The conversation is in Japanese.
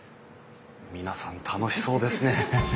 皆さん楽しそうですね。